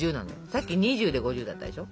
さっき２０で５０だったでしょ？